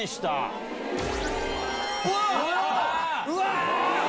うわ！